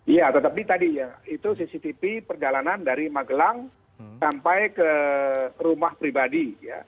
iya tetapi tadi ya itu cctv perjalanan dari magelang sampai ke rumah pribadi